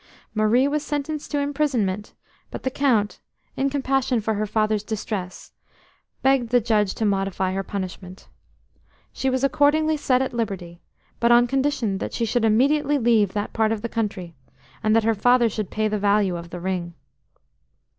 Marie was sentenced to imprisonment, but the Count, in compassion for her father's distress, begged the judge to modify her punishment. She was accordingly set at liberty, but on condition that she should immediately leave that part of the country, and that her father should pay the value of the ring.